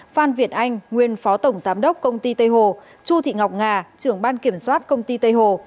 phan việt anh nguyên phó tổng giám đốc công ty tây hồ chu thị ngọc nga trưởng ban kiểm soát công ty tây hồ